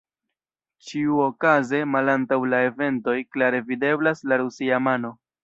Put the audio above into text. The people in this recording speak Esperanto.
Ĉiuokaze malantaŭ la eventoj klare videblas la rusia mano.